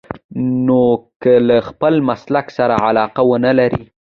نو که له خپل مسلک سره علاقه ونه لرئ.